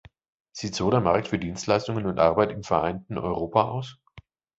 Sieht so der Markt für Dienstleistungen und Arbeit im vereinten Europa aus?